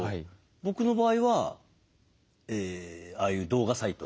僕の場合はああいう動画サイト。